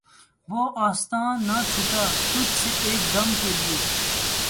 وہ آستاں نہ چھٹا تجھ سے ایک دم کے لیے